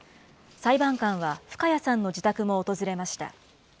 裁判官は深谷さんの自宅も訪れました。